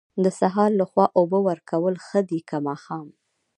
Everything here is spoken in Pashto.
د سهار لخوا اوبه ورکول ښه دي که ماښام؟